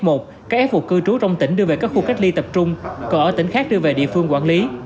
một cư trú trong tỉnh đưa về các khu cách ly tập trung còn ở tỉnh khác đưa về địa phương quản lý